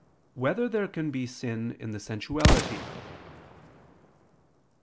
3] Whether There Can Be Sin in the Sensuality?